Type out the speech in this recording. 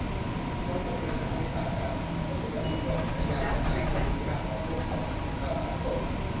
มันก็มีป้ญหาไม่ต่างกัน - คนที่มาอยู่ก่อนพยายามจะอ้างว่าคุณค่าของพวกเขาเป็นคุณค่าสากล